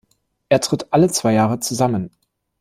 Er tritt all zwei Jahre zusammen.